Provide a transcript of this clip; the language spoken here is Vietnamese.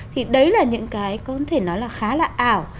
thì đấy là những cái có thể nói là khá là ảo